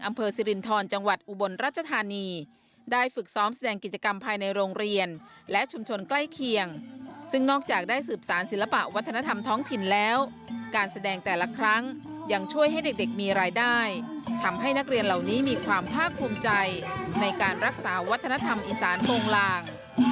สิรินทรจังหวัดอุบลรัชธานีได้ฝึกซ้อมแสดงกิจกรรมภายในโรงเรียนและชุมชนใกล้เคียงซึ่งนอกจากได้สืบสารศิลปะวัฒนธรรมท้องถิ่นแล้วการแสดงแต่ละครั้งยังช่วยให้เด็กมีรายได้ทำให้นักเรียนเหล่านี้มีความภาคภูมิใจในการรักษาวัฒนธรรมอีสานโปรงลาง